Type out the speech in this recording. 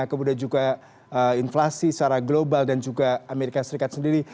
kemudian juga inflasi secara global dan juga amerika serikat sendiri